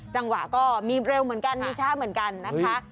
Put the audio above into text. จังหวะก็มีเร็วเหมือนกันมีช้าเหมือนกันนะคะ